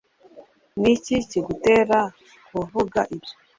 ni iki kigutera kuvuga ibyo